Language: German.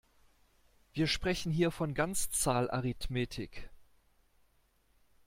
Wir sprechen hier von Ganzzahlarithmetik.